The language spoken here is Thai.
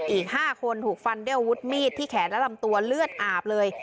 อีก๕คนถูกฟันด้วยอาวุธมีดที่แขนและลำตัวเลือดอาบเลย